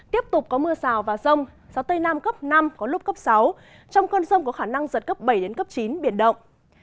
tiếp tục có mưa rào và rông gió tây nam cấp năm có lúc cấp sáu trong cơn rông có khả năng giật cấp bảy đến cấp chín biển động